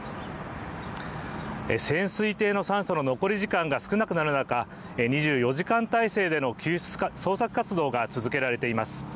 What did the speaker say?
潜水艇の酸素の残り時間が少なくなる中２４時間体制での捜索活動が続けられています。